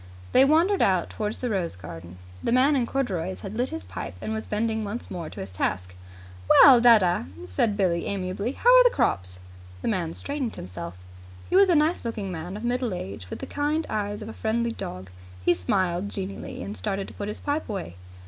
They wandered out towards the rose garden. The man in corduroys had lit his pipe and was bending once more to his task. "Well, dadda," said Billie amiably, "how are the crops?" The man straightened himself. He was a nice looking man of middle age, with the kind eyes of a friendly dog. He smiled genially, and started to put his pipe away.